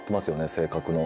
性格の。